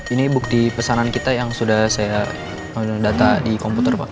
ini bukti pesanan kita yang sudah saya data di komputer pak